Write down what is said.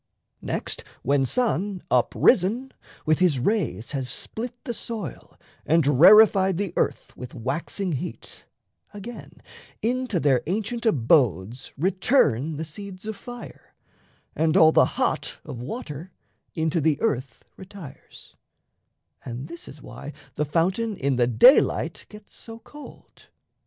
Next, when sun, Up risen, with his rays has split the soil And rarefied the earth with waxing heat, Again into their ancient abodes return The seeds of fire, and all the Hot of water Into the earth retires; and this is why The fountain in the daylight gets so cold.